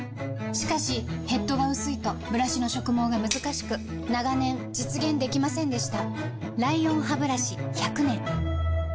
しかしヘッドが薄いとブラシの植毛がむずかしく長年実現できませんでした